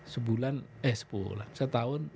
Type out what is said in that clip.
sebulan eh sepuluh lah setahun